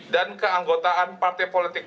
dan keanggotaan partai politik